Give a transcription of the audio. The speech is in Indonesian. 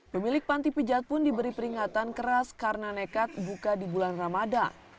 pemilik panti pijat pun diberi peringatan keras karena nekat buka di bulan ramadan